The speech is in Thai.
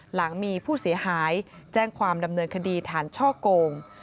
หลังมีผู้เสียหายแจ้งความดำเนินคดีฐานช่อโกง